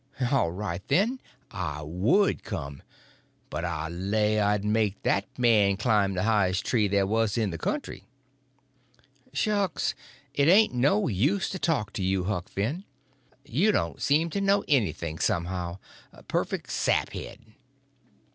All right, then; I would come; but I lay I'd make that man climb the highest tree there was in the country." "Shucks, it ain't no use to talk to you, Huck Finn. You don't seem to know anything, somehow—perfect saphead."